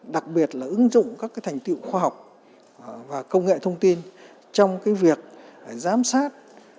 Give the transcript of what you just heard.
đặc biệt là ứng dụng các thành tiệu khoa học và công nghệ thông tin trong việc giám sát